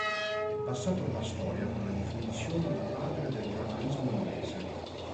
È passato alla storia con la definizione di "padre del giornalismo inglese".